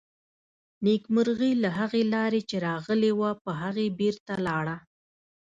نېکمرغي له هغې لارې چې راغلې وه، په هغې بېرته لاړه.